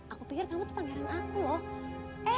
aku pikir kamu tuh pangeran aku loh